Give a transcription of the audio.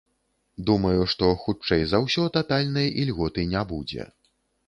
Думаю, што хутчэй за ўсё татальнай ільготы не будзе.